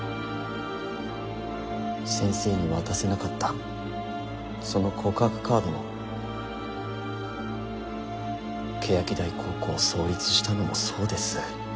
先生に渡せなかったその告白カードも欅台高校を創立したのもそうです。